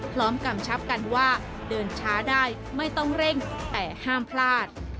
กำชับกันว่าเดินช้าได้ไม่ต้องเร่งแต่ห้ามพลาด